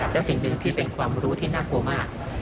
และสิ่งหนึ่งที่เป็นความรู้ที่น่ากลัวมาก